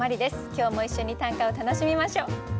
今日も一緒に短歌を楽しみましょう。